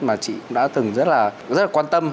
mà chị cũng đã từng rất là quan tâm